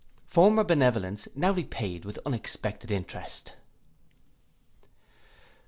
Former benevolence now repaid with unexpected interest.